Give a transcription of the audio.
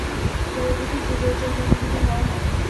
জড়বুদ্ধির চেয়ে চৈতন্যবুদ্ধি হওয়া ভাল।